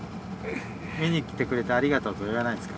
「見に来てくれてありがとう」とは言わないんですか？